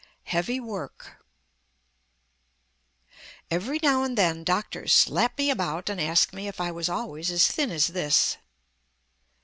_ HEAVY WORK Every now and then doctors slap me about and ask me if I was always as thin as this.